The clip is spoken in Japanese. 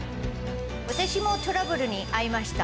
私もトラブルに遭いました。